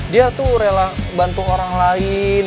dia tuh rela bantu orang lain